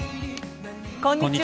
こんにちは。